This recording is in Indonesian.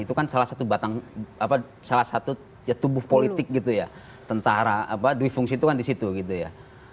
itu kan salah satu batang apa salah satu ya tubuh politik gitu ya tentara apa dui fungsi itu kan di situ gitu ya